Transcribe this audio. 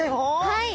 はい！